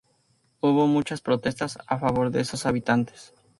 Hubo muchas protestas a favor de esos habitantes.